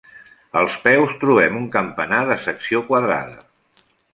Als peus trobem un campanar de secció quadrada.